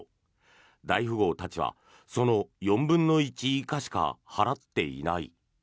大富豪たちはその４分の１以下しか払っていない。